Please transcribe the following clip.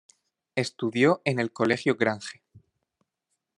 Estudió en el colegio Grange.